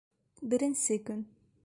Беренсе көн